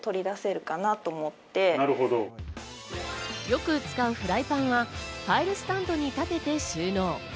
よく使うフライパンはファイルスタンドに立てて収納。